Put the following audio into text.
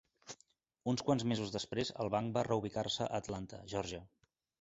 Uns quants mesos després, el banc va reubicar-se a Atlanta, Georgia.